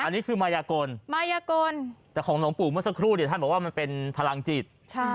อันนี้คือมายากลมายากลแต่ของหลวงปู่เมื่อสักครู่เนี่ยท่านบอกว่ามันเป็นพลังจิต